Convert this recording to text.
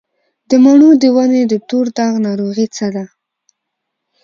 د مڼو د ونو د تور داغ ناروغي څه ده؟